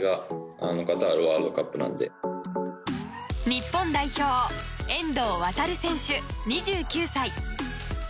日本代表遠藤航選手、２９歳。